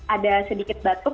ada sedikit batuk